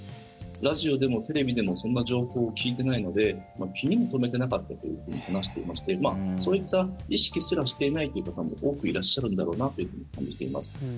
ラジオでもテレビでもそんな情報を聞いていないので気にも留めていなかったというふうに話していましてそういった意識すらしていないという方も多くいらっしゃるんだろうなと感じています。